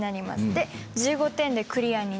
で１５点でクリアになる。